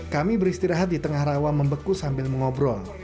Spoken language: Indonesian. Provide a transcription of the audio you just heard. kami beristirahat di tengah rawa membeku sambil mengobrol